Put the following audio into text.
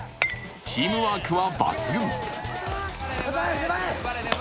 チームワークは抜群。